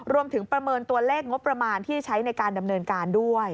ประเมินตัวเลขงบประมาณที่ใช้ในการดำเนินการด้วย